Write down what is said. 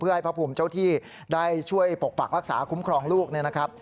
ให้พระภูมิเจ้าที่ได้ช่วยปกปักรักษาคุ้มครองลูกเนี่ยนะครับ